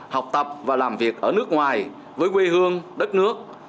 học tập và làm việc ở nước ngoài với quê hương đất nước